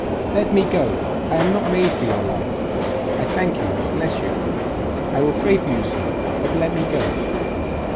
'Let me go! I am not made for your life! I thank you, bless you! I will pray for you, sir! but let me go!